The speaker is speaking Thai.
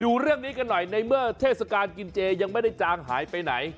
ดูเรื่องนี้กันหน่อยในเมื่อเทศกาลกินเจยังไม่ได้จางหายไปไหน